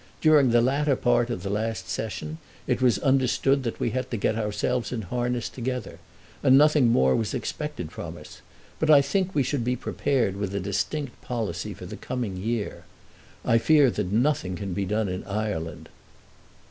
During the latter part of the last Session it was understood that we had to get ourselves in harness together, and nothing more was expected from us; but I think we should be prepared with a distinct policy for the coming year. I fear that nothing can be done in Ireland."